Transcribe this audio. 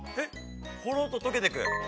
ほろっと溶けていく。